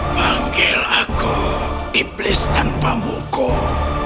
panggil aku iblis tanpa mukul